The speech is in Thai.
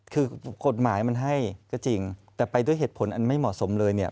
คือกฎหมายมันให้ก็จริงแต่ไปด้วยเหตุผลอันไม่เหมาะสมเลยเนี่ย